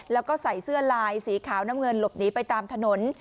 แล้วก็ใส่เสื้อลายสีขาวน้ำเงินหลบหนีไปตามถนน